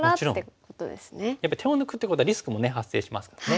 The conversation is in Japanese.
やっぱり手を抜くってことはリスクも発生しますからね。